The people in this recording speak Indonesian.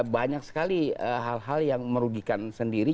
banyak sekali hal hal yang merugikan sendiri